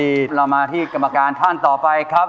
วันนี้เรามาที่กรรมการท่านต่อไปครับ